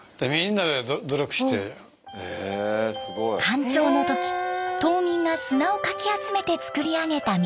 干潮の時島民が砂をかき集めて造り上げた道。